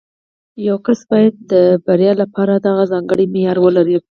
یو کس باید د بریا لپاره دغه ځانګړی معیار ولري